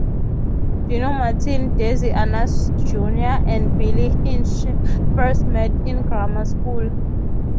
Dino Martin, Desi Arnaz Junior and Billy Hinsche first met in grammar school.